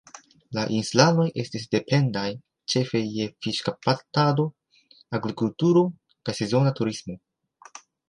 La insulanoj estas dependaj ĉefe je fiŝkaptado, agrikulturo kaj sezona turismo.